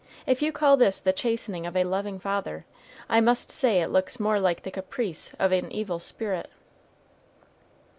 If you call this the chastening of a loving father, I must say it looks more to me like the caprice of an evil spirit."